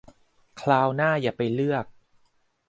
คราวหน้าอย่าไปเลือก